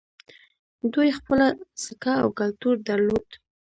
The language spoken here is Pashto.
دوی خپله سکه او کلتور درلود